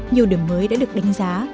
nhiều điểm mới đã được đánh giá